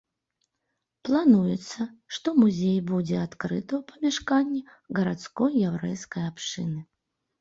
Плануецца, што музей будзе адкрыты ў памяшканні гарадской яўрэйскай абшчыны.